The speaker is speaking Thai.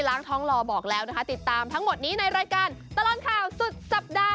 ล้างท้องรอบอกแล้วนะคะติดตามทั้งหมดนี้ในรายการตลอดข่าวสุดสัปดาห์